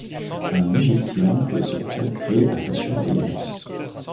un Noétien doit se consacrer à sa surveillance.